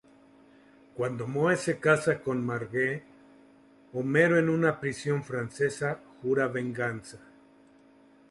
Cuando Moe se casa con Marge, Homero, en una prisión francesa, jura venganza.